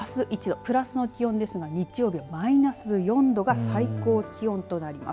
プラスの気温ですが日曜日はマイナス４度が最高気温となります。